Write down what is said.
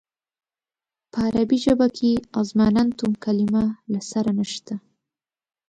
په عربي ژبه کې اظماننتم کلمه له سره نشته.